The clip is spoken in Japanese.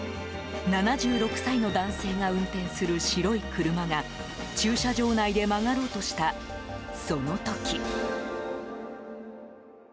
７６歳の男性が運転する白い車が駐車場内で曲がろうとしたその時。